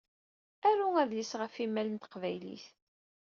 Aru adlis ɣef imal n teqbaylit.